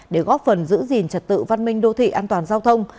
để góp phần giữ gìn trật tự văn minh đô thị an toàn giao thông